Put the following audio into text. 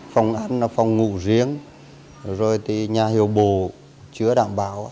phòng ăn phòng ngủ riêng rồi thì nhà hiệu bồ chưa đảm bảo